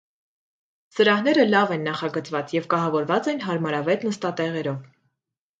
Սրահները լավ են նախագծված և կահավորված են հարմարավետ նստատեղերով։